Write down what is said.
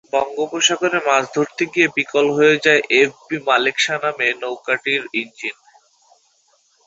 বঙ্গোপসাগরে মাছ ধরতে গিয়ে বিকল হয়ে যায় এফবি মালেক শাহ নামের নৌকাটির ইঞ্জিন।